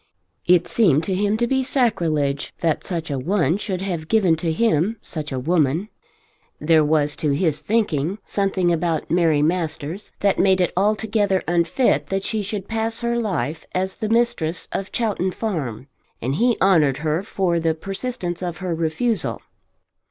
It seemed to him to be sacrilege that such a one should have given to him such a woman. There was, to his thinking, something about Mary Masters that made it altogether unfit that she should pass her life as the mistress of Chowton Farm, and he honoured her for the persistence of her refusal.